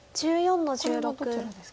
これはどちらですか？